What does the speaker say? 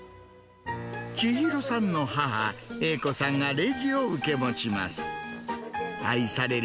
千尋さんの母、英子さんがレジを受け持ちます。